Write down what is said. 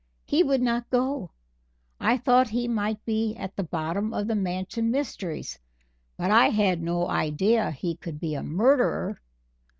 He would not go. I thought he might be at the bottom of the Mansion mysteries, but I had no idea he could be a murderer.